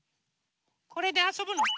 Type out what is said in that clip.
これであそぶの？